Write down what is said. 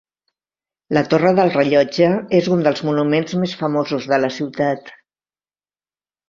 La torre del rellotge és un dels monuments més famosos de la ciutat.